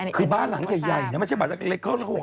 คือบ้านหลังใหญ่นี่ไม่ใช่ถูกรัก